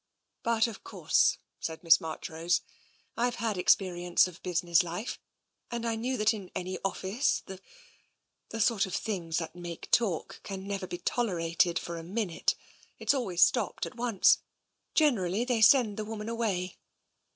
" But of course," said Miss Marchrose, " I've had experience of business life, and I knew that in any of fice, the — the sort of things that make talk can never be tolerated for a minute. It's always stopped at once. Generally they send the woman away.